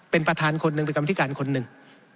เป็นประธานคนหนึ่งเป็นกรรมธิการคนหนึ่ง